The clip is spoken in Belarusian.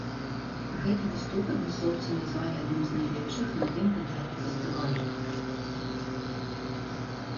Гэты выступ адмыслоўцы назвалі адным з найлепшых на тым этапе фестывалю.